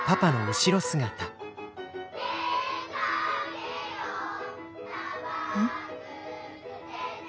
「出かけよう」ん？